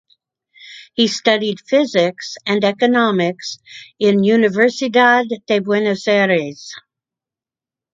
He studied physics and economics in Universidad de Buenos Aires.